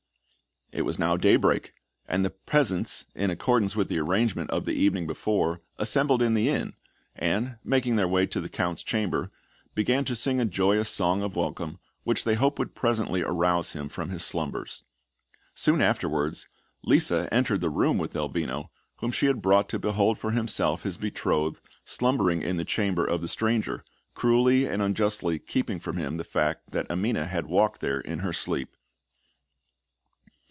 It was now day break; and the peasants, in accordance with the arrangement of the evening before, assembled in the inn, and, making their way to the Count's chamber, began to sing a joyous song of welcome, which they hoped would presently arouse him from his slumbers. Soon afterwards, Lisa entered the room with Elvino, whom she had brought to behold for himself his betrothed slumbering in the chamber of the stranger, cruelly and unjustly keeping from him the fact that Amina had walked there in her sleep.